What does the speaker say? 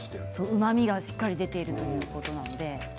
うまみをしっかり出しているということです。